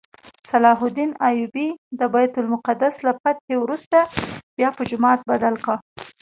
صلاح الدین ایوبي د بیت المقدس له فتحې وروسته بیا په جومات بدل کړ.